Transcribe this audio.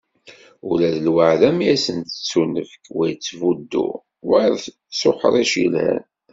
Ula d lwaεda mi asen-d-tettunefk, wa ittbuddu wayeḍ s uḥric yelhan.